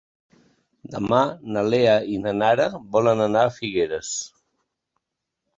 Demà na Lea i na Nara volen anar a Figueres.